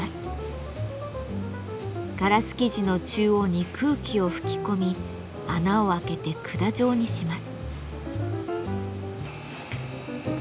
ガラス素地の中央に空気を吹き込み穴を開けて管状にします。